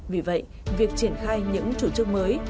vì vậy việc triển khai những chủ chức mới